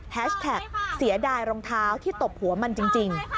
แท็กเสียดายรองเท้าที่ตบหัวมันจริง